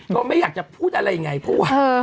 ก็ไม่อยากจะพูดอะไรไงเพราะว่า